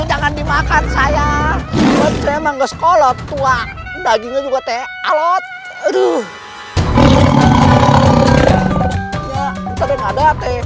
jangan dimakan saya memang sekolah tua dagingnya juga teh alat aduh